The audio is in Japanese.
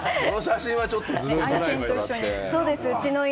この写真はちょっとずるくないですか？